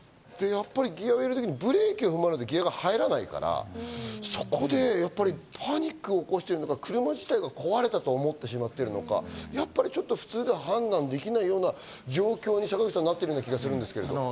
ギアを入れる時にブレーキを踏まないとギアが入らないから、そこでパニックを起こしてるのか、車自体が壊れたと思ってしまってるのか、ちょっと普通では判断できないような状況になってる気がするんですけど、坂口さん。